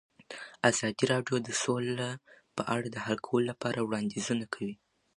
ازادي راډیو د سوله په اړه د حل کولو لپاره وړاندیزونه کړي.